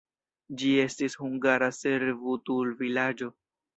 Ĝi estis hungara servutulvilaĝo.